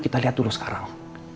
kita liat dulu sekarang